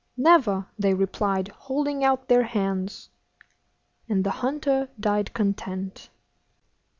'Never!' they replied, holding out their hands. And the hunter died content.